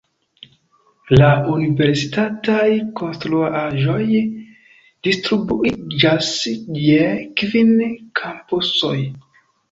La universitataj konstruaĵoj distribuiĝas je kvin kampusoj.